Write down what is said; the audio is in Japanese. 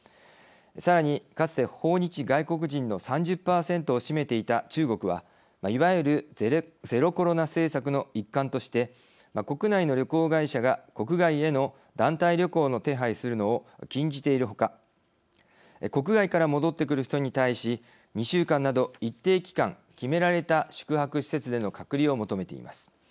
さらに、かつて訪日外国人の３０％を占めていた中国はいわゆるゼロコロナ政策の一環として、国内の旅行会社が国外への団体旅行の手配するのを禁じているほか国外から戻ってくる人に対し２週間など一定期間決められた宿泊施設での隔離を求めています。